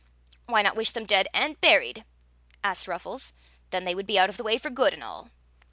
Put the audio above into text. "Why not wish them dead and buried?" asked Ruffles. "Then they would be out of the way for good and all."